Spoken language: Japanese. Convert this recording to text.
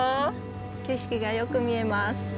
景色がよく見えます。